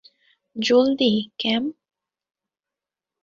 জলদি, ক্যাম।